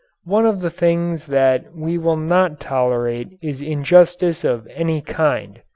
One of the things that we will not tolerate is injustice of any kind.